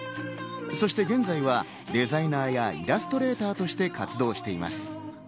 そして現在はデザイナーやイラストレーターとして活動しています。